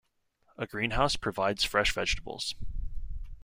A greenhouse provides fresh vegetables.